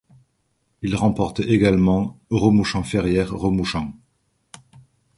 Il remporte également Remouchamps-Ferrières-Remouchamps.